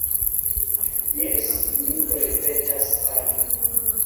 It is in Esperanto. Jes, mi ripetas al vi.